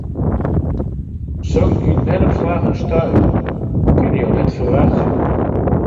Soks giet net op slach en stuit, dat kinne jo net ferwachtsje.